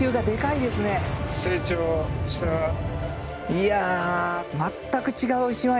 いや。